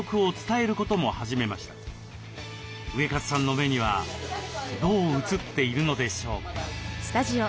ウエカツさんの目にはどう映っているのでしょうか。